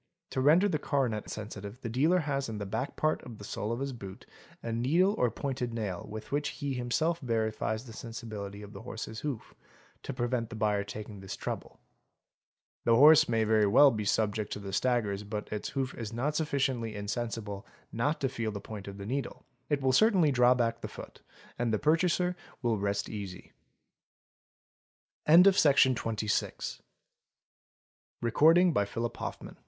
'To render the coronet sensitive, the dealer has in the back part of the sole of his boot a needle or pointed nail with which he himself verifies the sensibility of the horse's hoof, to prevent the buyer taking this trouble. The horse may very well be subject to the staggers but its hoof is not sufficiently insensible not to feel the point of the needle; it will certainly draw back the foot and the purchaser